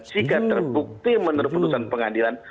jika terbukti menurut putusan pengadilan